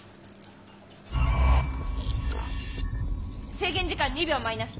制限時間２秒マイナス。